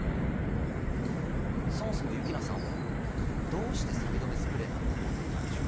そもそも幸那さんはどうしてサビ止めスプレーなんかを持っていたんでしょう。